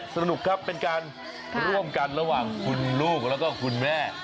สนุกครับเป็นการร่วมกันระหว่างคุณลูกแล้วก็คุณแม่